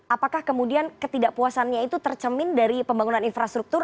apakah kemudian ketidakpuasannya itu tercemin dari pembangunan infrastruktur